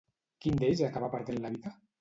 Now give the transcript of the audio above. Quin d'ells acaba perdent la vida?